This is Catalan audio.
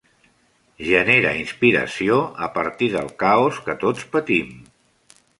Genera inspiració a partir del caos que tots patim.